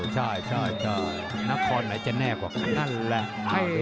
ใช่แต่นครไหนจะแน่กว่านั่นแหละ